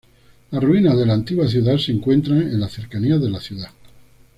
Las ruinas de la antigua ciudad se encuentran en las cercanías de la ciudad.